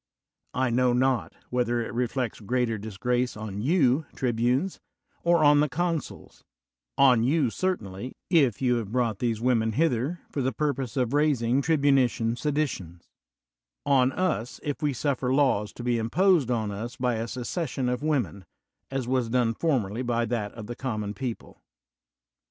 I know not whether it reflects greater disgrace on you, trib unes, or on the consuls: on you certainly, if you have brought these women hither for the purpose of raising tribunitian seditions; on us, if we suflPer laws to be imposed on us by a secession of women, as was done formerly by that of the common people.